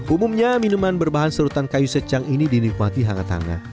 umumnya minuman berbahan serutan kayu secang ini dinikmati hangat hangat